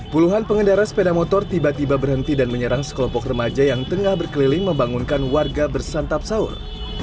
puluhan pengendara sepeda motor tiba tiba berhenti dan menyerang sekelompok remaja yang tengah berkeliling membangunkan warga bersantap sahur